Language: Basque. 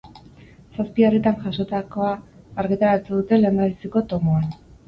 Zazpi herritan jasotakoa argitaratu dute lehendabiziko tomoan.